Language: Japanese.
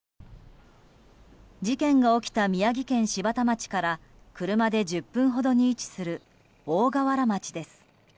事件が起きた宮城県柴田町から車で１０分ほどに位置する大河原町です。